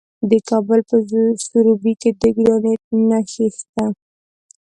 د کابل په سروبي کې د ګرانیټ نښې شته.